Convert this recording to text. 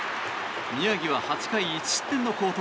宮城は８回１失点の好投。